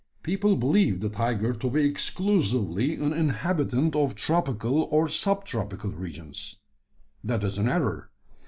People believe the tiger to be exclusively an inhabitant of tropical or subtropical regions. That is an error.